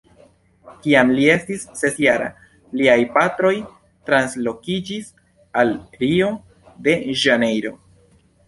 Kiam li estis ses-jara, liaj patroj translokiĝis al Rio-de-Ĵanejro.